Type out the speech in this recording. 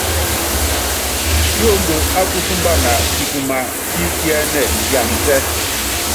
Kiondo ákusúmbana kikuma kí kiɛ́nɛ piansɛ́.